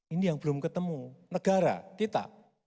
ini yang belum ketemu negara kita